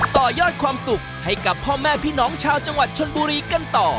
ต่อยอดความสุขให้กับพ่อแม่พี่น้องชาวจังหวัดชนบุรีกันต่อ